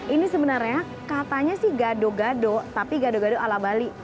ini sebenarnya katanya sih gado gado tapi gado gado ala bali